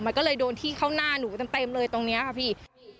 มันก็เลยโดนที่เข้าหน้าหนูเต็มเลยตรงนี้ค่ะพี่